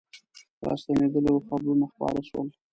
راستنېدلو خبرونه خپاره سول.